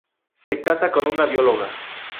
Se casa con una bióloga.